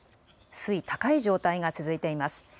水位、高い状態が続いています。